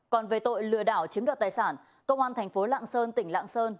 còn về tội lừa đảo chiếm đoạt tài sản công an thành phố lạng sơn tỉnh lạng sơn